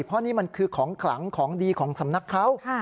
เพราะนี่มันคือของขลังของดีของสำนักเขา